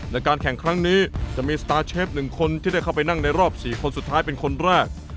ในการแข่งครั้งนี้จะมีสตาร์เชฟ๑คนที่ได้เข้าไปนั่งในรอบ๔คนสุดท้ายเป็นคนแรก